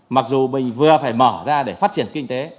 mặc dù mình vừa phải mở ra để phát triển kinh tế